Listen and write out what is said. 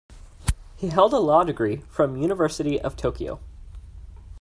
He held a law degree from University of Tokyo.